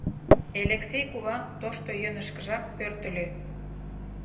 Элексей кува тошто йӧнышкыжак пӧртыльӧ.